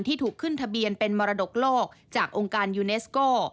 ถูกขึ้นทะเบียนเป็นมรดกโลกจากองค์การยูเนสโก้